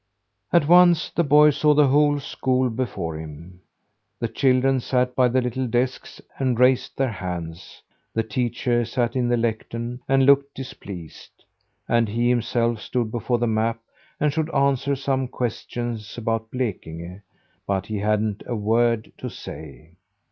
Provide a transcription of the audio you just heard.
At once the boy saw the whole school before him. The children sat by the little desks and raised their hands; the teacher sat in the lectern and looked displeased; and he himself stood before the map and should answer some question about Blekinge, but he hadn't a word to say.